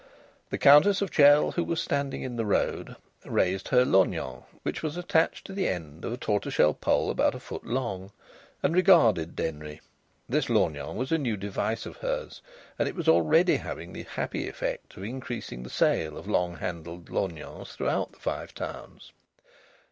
The Countess of Chell, who was standing in the road, raised her lorgnon, which was attached to the end of a tortoiseshell pole about a foot long, and regarded Denry. This lorgnon was a new device of hers, and it was already having the happy effect of increasing the sale of long handled lorgnons throughout the Five Towns.